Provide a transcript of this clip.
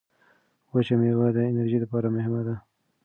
وچه مېوه د انرژۍ لپاره مهمه ده.